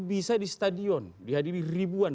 bisa di stadion di hadirin ribuan